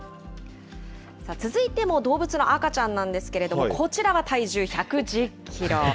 続いても動物の赤ちゃんなんですけれども、こちらは体重１１０キロ。